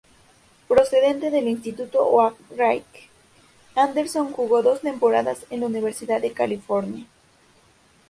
Procedente del Instituto Oak Ridge, Anderson jugó dos temporadas en la Universidad de California.